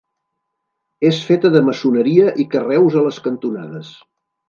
És feta de maçoneria i carreus a les cantonades.